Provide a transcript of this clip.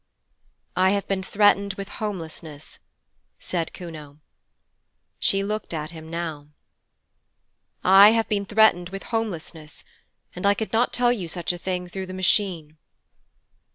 'I have been threatened with Homelessness,' said Kuno. She looked at him now. 'I have been threatened with Homelessness, and I could not tell you such a thing through the Machine.'